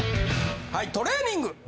はいトレーニング！